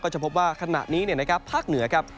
จะพบว่าขณะนี้นะครับภาคเหนือครับ